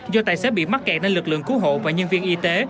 do tài xế bị mắc kẹt nên lực lượng cứu hộ và nhân viên y tế